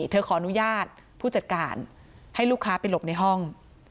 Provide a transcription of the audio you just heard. ขออนุญาตผู้จัดการให้ลูกค้าไปหลบในห้อง